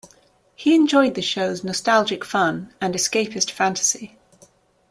He enjoyed the show's nostalgic fun and "escapist fantasy".